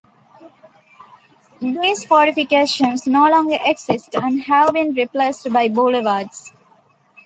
These fortifications no longer exist and have been replaced by boulevards.